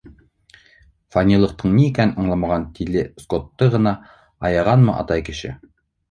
Фанилыҡтың ни икәнен аңламаған тиле Скотты ғына аяғанмы атай кеше?